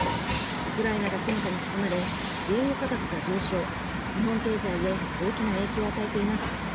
ウクライナが戦火に包まれ、原油価格が上昇、日本経済へ大きな影響を与えています。